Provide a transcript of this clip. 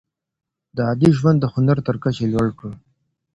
ده عادي ژوند د هنر تر کچې لوړ کړ.